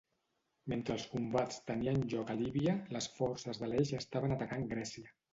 Mentre els combats tenien lloc a Líbia, les forces de l'Eix estaven atacant Grècia.